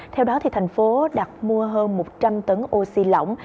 theo đó thành phố đặt mua hơn một trăm linh tấn oxy lỏng